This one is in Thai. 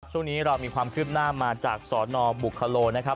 ช่วงนี้เรามีความคืบหน้ามาจากสนบุคโลนะครับ